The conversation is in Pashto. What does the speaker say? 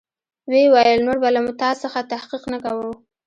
ويې ويل نور به له تا څخه تحقيق نه کوم.